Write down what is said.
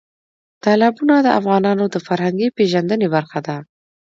تالابونه د افغانانو د فرهنګي پیژندنې برخه ده.